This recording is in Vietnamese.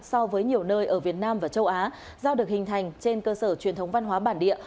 so với nhiều nơi ở việt nam và châu á do được hình thành trên cơ sở truyền thống văn hóa bản địa